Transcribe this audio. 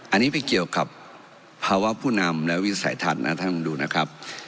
อันนี้ไม่เกี่ยวกับภาวะผู้นำและวิสัยทัศน์นะท่านดูนะครับ